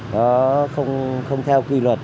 nó không theo quy luật